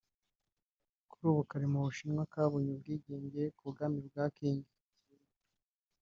kuri ubu kari mu Bushinwa kabonye ubwigenge ku bwami bwa Qing